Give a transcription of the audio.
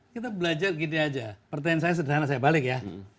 kita belajar gini aja pertanyaan saya sederhana saya balik ya